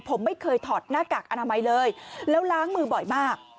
ผมไม่เคยถอดหน้ากากอนามัยเลยแล้วล้างมือบ่อยมาก